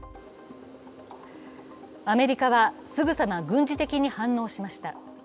アメリカはすぐさま軍事的に反応しました。